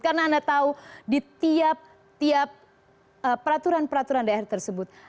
karena anda tahu di tiap peraturan peraturan daerah tersebut